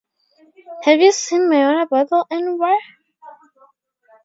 Have you seen my water bottle anywhere?